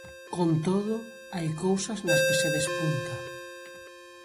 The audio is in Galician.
Con todo, hai cousas nas que se despunta.